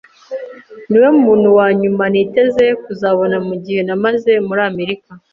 Niwe muntu wa nyuma nari niteze kuzabona mugihe namaze muri Amerika.